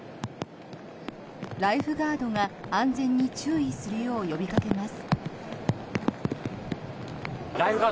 ライフガードが安全に注意するよう呼びかけます。